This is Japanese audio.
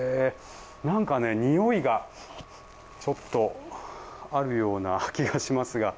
何か、においがちょっとあるような気がしますが。